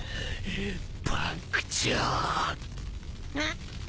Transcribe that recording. ん！？